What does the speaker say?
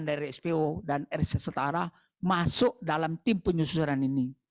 dari spo dan rss setara masuk dalam tim penyusuran ini